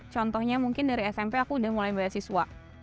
contohnya mungkin dari smp aku udah mulai beasiswa